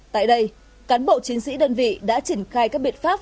tại đây cán bộ chiến sĩ đơn vị đã triển khai các biện pháp